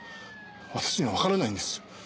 私にはわからないんです。